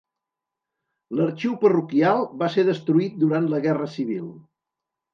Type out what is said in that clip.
L'arxiu parroquial va ser destruït durant la Guerra Civil.